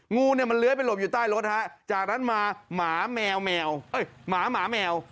งูเนี่ยมันเลื้อยไปหลบอยู่ใต้รถฮะจากนั้นมาหมาแมวแมวหมาหมาแมว